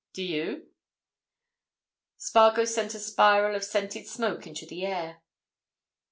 Do you?" Spargo sent a spiral of scented smoke into the air.